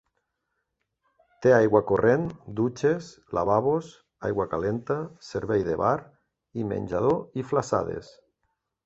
Té aigua corrent, dutxes, lavabos, aigua calenta, servei de bar i menjador i flassades.